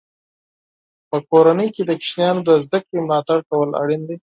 په کورنۍ کې د ماشومانو د زده کړې ملاتړ کول اړین دی.